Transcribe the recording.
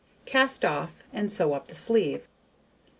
Cast off, and sew up the sleeve.